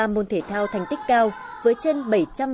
hai mươi ba môn thể thao thành tích cao với trên bảy trăm linh vận động viên